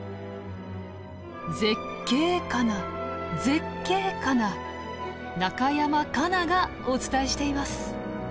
絶景かな絶景かな中山果奈がお伝えしています。